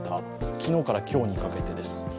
昨日から今日にかけてです。